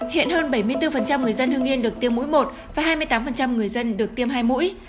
hiện hơn bảy mươi bốn người dân hương yên được tiêm mũi một và hai mươi tám người dân được tiêm hai mũi